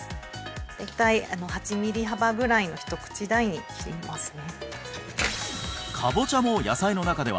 大体８ミリ幅ぐらいの一口大に切りますね